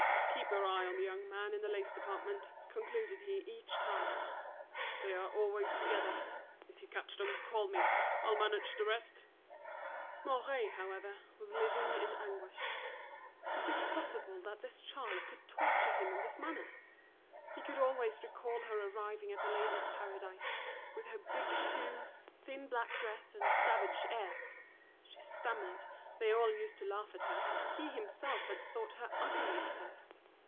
"Keep your eye on the young man in the lace department," concluded he each time. "They are always together. If you catch them, call me, I'll manage the rest." Mouret, however, was living in anguish. Was it possible that this child could torture him in this manner? He could always recall her arriving at The Ladies' Paradise, with her big shoes, thin black dress, and savage airs. She stammered, they all used to laugh at her, he himself had thought her ugly at first.